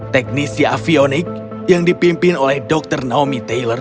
teknisi avionik yang dipimpin oleh dr naomi taylor